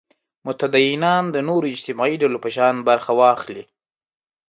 متدینان د نورو اجتماعي ډلو په شان برخه واخلي.